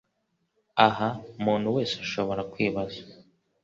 Aha muntu wese ashobora kwibaza